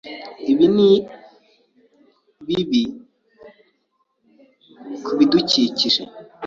Ibi ni bibi kubidukikije.